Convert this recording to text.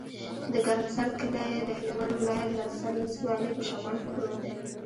د ګرمسر کلی د هلمند ولایت، ګرمسر ولسوالي په شمال کې پروت دی.